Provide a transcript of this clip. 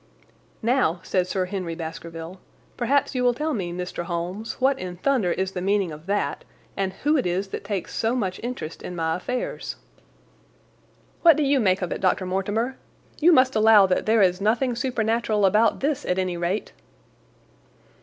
"Now," said Sir Henry Baskerville, "perhaps you will tell me, Mr. Holmes, what in thunder is the meaning of that, and who it is that takes so much interest in my affairs?" "What do you make of it, Dr. Mortimer? You must allow that there is nothing supernatural about this, at any rate?"